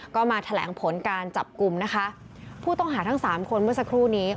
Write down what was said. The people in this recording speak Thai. ก็มาแถลงผลการจับกลุ่มนะคะผู้ต้องหาทั้งสามคนเมื่อสักครู่นี้